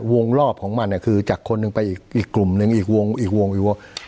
วงรอบของมันคือจากคนหนึ่งไปอีกกลุ่มหนึ่งอีกวงอีกวงอีกวง